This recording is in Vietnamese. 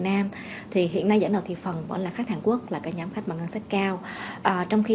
nam thì hiện nay dẫn đầu thì phần vẫn là khách hàn quốc là cái nhóm khách mà ngân sách cao trong khi